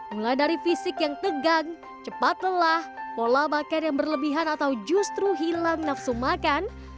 mulai dari fisik yang tegang cepat lelah pola bakar yang berlebihan atau justru hilang nafsu makan